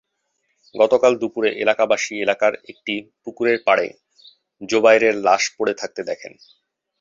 গতকাল দুপুরে এলাকাবাসী এলাকার একটি পুকুরের পাড়ে জোবায়েরের লাশ পড়ে থাকতে দেখেন।